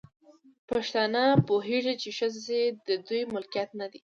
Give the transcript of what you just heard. پښتانه پوهيږي، چې ښځې د دوی ملکيت نه دی